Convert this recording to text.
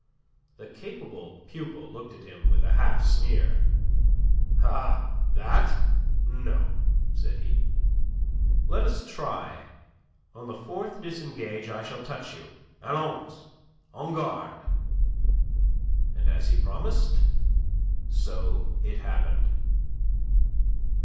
The capable pupil looked at him with a half sneer. "Ah, that, no," said he. "Let us try. On the fourth disengage I shall touch you. Allons! En garde!" And as he promised, so it happened.